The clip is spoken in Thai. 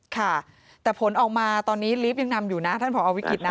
ค่ะแต่ผลออกมาตอนนี้ลีฟยังนำอยู่นะท่านผอวิกฤตนะ